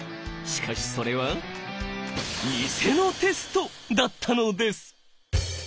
しかしそれはニセのテストだったのです。